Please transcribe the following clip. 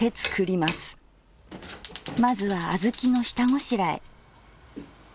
まずは小豆の下ごしらえ。